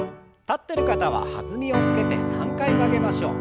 立ってる方は弾みをつけて３回曲げましょう。